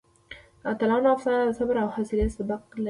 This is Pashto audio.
د اتلانو افسانه د صبر او حوصلې سبق لري.